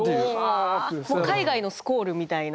海外のスコールみたいな。